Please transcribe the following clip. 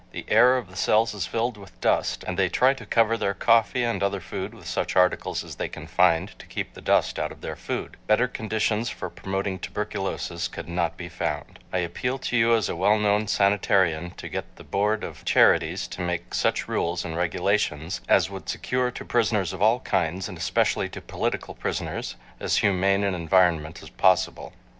The air of the cells is filled with dust and they try to cover their coffee and other food with such articles as they can find to keep the dust out of their food. Better conditions for promoting tuberculosis could not be found. I appeal to you as a well known sanitarian to get the Board of Charities to make such rules and regulations as would secure to prisoners of all kinds, and especially to political prisoners, as humane an environment as possible.